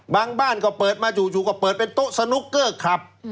บ้านก็เปิดมาจู่ก็เปิดเป็นโต๊ะสนุกเกอร์ขับ